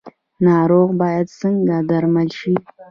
ناروغه باید څنګه درمل شي؟